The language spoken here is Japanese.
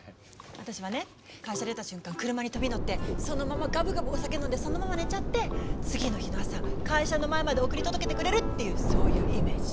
私はね会社出た瞬間車に飛び乗ってそのままガブガブお酒飲んでそのまま寝ちゃって次の日の朝会社の前まで送り届けてくれるっていうそういうイメージ。